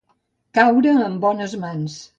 Caure en bones mans.